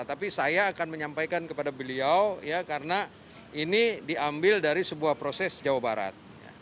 tapi saya akan menyampaikan kepada beliau ya karena ini diambil dari sebuah proses jawa barat